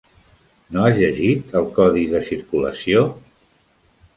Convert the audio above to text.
No has llegit el codi de circulació?